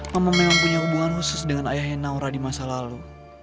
kamu memang punya hubungan khusus dengan ayahnya naura di masa lalu